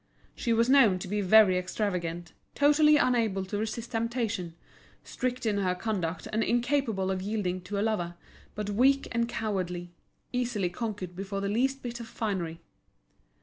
She was known to be very extravagant, totally unable to resist temptation, strict in her conduct and incapable of yielding to a lover, but weak and cowardly, easily conquered before the least bit of finery.